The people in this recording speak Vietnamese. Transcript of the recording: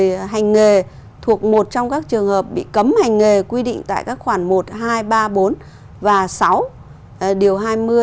trường hợp sáu là người hành nghề thuộc một trong các trường hợp bị cấm hành nghề quy định tại các khoản một hai ba bốn và sáu điều hai mươi